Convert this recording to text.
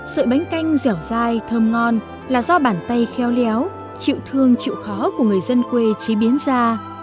sợi bánh canh dẻo dai thơm ngon là do bàn tay khéo léo chịu thương chịu khó của người dân quê chế biến ra